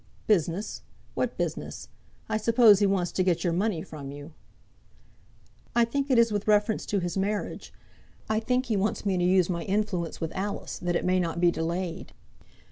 "Business! what business? I suppose he wants to get your money from you?" "I think it is with reference to his marriage. I think he wants me to use my influence with Alice that it may not be delayed."